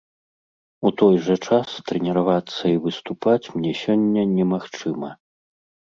У той жа час трэніравацца і выступаць мне сёння немагчыма.